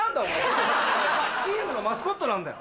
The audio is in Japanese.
チームのマスコットなんだよ。